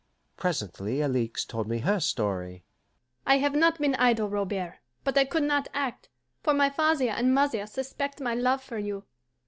Presently Alixe told me her story. "I have not been idle, Robert, but I could not act, for my father and mother suspect my love for you.